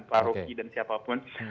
pak roki dan siapapun